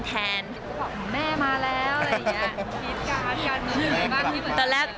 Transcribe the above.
ก็แบบแม่มาแล้วอะไรอย่างนี้